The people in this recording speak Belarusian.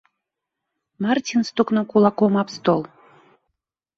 Марцін стукнуў кулаком аб стол.